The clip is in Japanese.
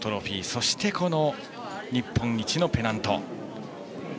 そして日本一のペナント。